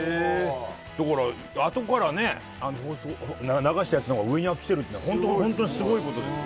あとから流したやつのほうが上に来てるということは本当にすごいことですよ。